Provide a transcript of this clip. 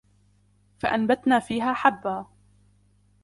فأنبتنا فيها حبا